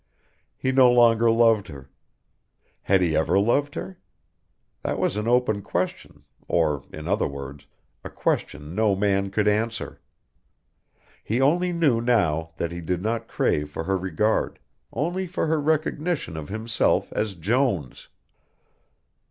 He no longer loved her. Had he ever loved her? That was an open question, or in other words, a question no man could answer. He only knew now that he did not crave for her regard, only for her recognition of himself as Jones.